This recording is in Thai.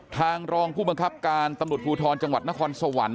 รองผู้บังคับการตำรวจภูทรจังหวัดนครสวรรค์